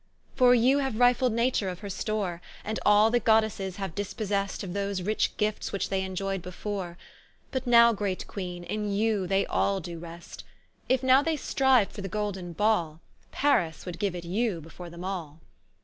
For you haue rifled Nature of her store, And all the Goddesses haue dispossest Of those rich gifts which they enioy'd before, But now great Queene, in you they all doe rest. If now they striued for the golden Ball, Paris would giue it you before them all.